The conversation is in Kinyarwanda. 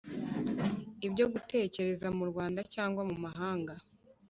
ibyo dutekereza muRwanda cyangwa mu mahanga